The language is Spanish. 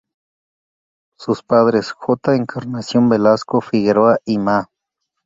Sus padres J. Encarnación Velasco Figueroa y Ma.